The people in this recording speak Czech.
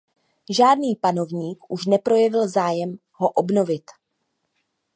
Žádný panovník už neprojevil zájem ho obnovit.